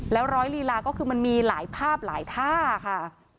แล้วร้อยลีลาก็คือมันมีหลายภาพหลายท่าค่ะ